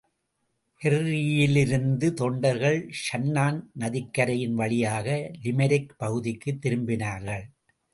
கெர்ரியிலிருந்து தொண்டர்கள் ஷன்னான் நதிக்கரையின் வழியாக லிமெரிக் பகுதிக்குத் திரும்பினார்கள்.